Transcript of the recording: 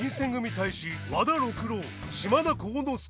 隊士和田六郎島田幸之介。